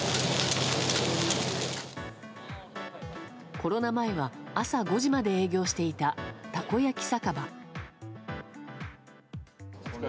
コロナ前は朝５時まで営業していたたこ焼酒場。